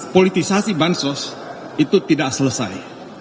politisasi bansos itu tidak selesai